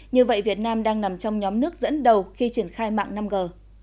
như vậy việt nam đang nằm trong nhóm nước dẫn đầu khi triển khai mạng năm g